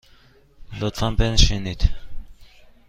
لطفاً بنشینید.